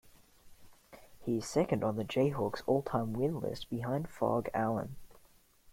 He is second on the Jayhawks' all time win list behind Phog Allen.